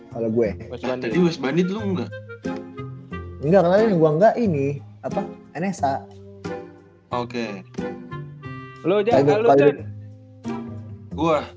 kalau gue jadi west bandit enggak enggak enggak ini apa enessa oke lu jangan lupa